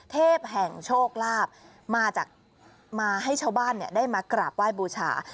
เทพแห่งโชคลาภมาจากมาให้ชาวบ้านได้มากราบไหว้บูชา